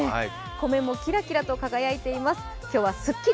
湖面もキラキラと輝いています。